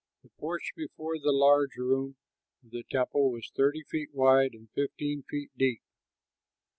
The porch before the large room of the temple was thirty feet wide and fifteen feet deep.